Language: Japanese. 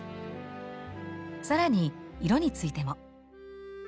更に色についても。